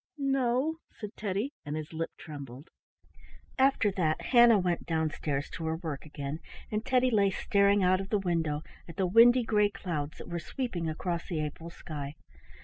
"No," said Teddy, and his lip trembled. After that Hannah went down stairs to her work again, and Teddy lay staring out of the window at the windy gray clouds that were sweeping across the April sky.